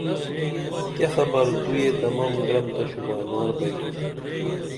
کیہ خبر تُو یہ تمم گرم تہ شوبائنار بئیتُھوپ